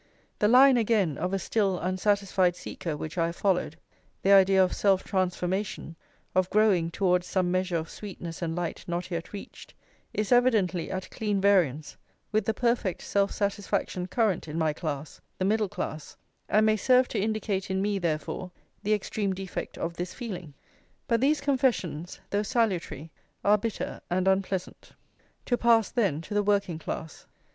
The line, again, of a still unsatisfied seeker which I have followed, the idea of self transformation, of growing towards some measure of sweetness and light not yet reached, is evidently at clean variance with the perfect self satisfaction current in my class, the middle class, and may serve to indicate in me, therefore, the extreme defect of this feeling. But these confessions, though salutary, are bitter and unpleasant. To pass, then, to the working class.